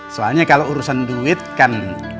soalnya kalau urusan duit kan